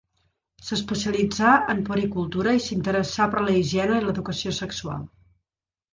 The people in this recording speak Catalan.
S'especialitzà en puericultura i s'interessà per la higiene i l'educació sexual.